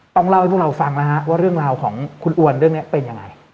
ต้องเล่าให้พวกเราฟังแล้วฮะว่าเรื่องราวของคุณอวนเรื่องนี้เป็นยังไง